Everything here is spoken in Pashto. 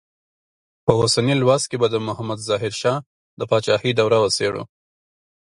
په اوسني لوست کې به د محمد ظاهر شاه د پاچاهۍ دوره وڅېړو.